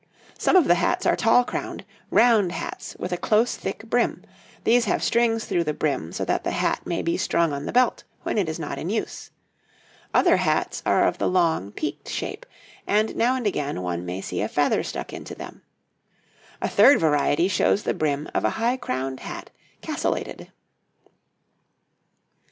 Some of the hats are tall crowned, round hats with a close, thick brim these have strings through the brim so that the hat may be strung on the belt when it is not in use; other hats are of the long, peaked shape, and now and again one may see a feather stuck into them; a third variety shows the brim of a high crowned hat, castellated.